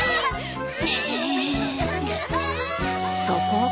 そこ？